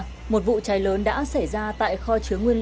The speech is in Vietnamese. ngày hai mươi một tháng ba một vụ cháy lớn đã xảy ra tại kho chứa nguyễn văn